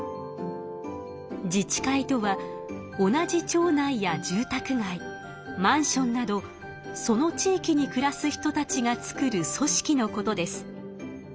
自治会とは同じ町内や住宅街マンションなどその地域にくらす人たちが作る組織のことです。